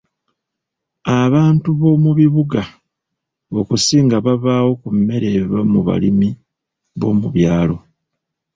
Abantu b'omu bibuga, okusinga babaawo ku mmere eva mu balimi b'omu byalo.